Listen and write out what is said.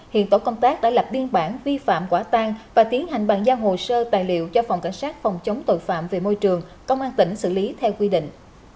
hiện tổ công tác đã lập biên bản vi phạm quả tan và tiến hành bàn giao hồ sơ tài liệu cho phòng cảnh sát phòng chống tội phạm về môi trường công an tỉnh xử lý theo quy định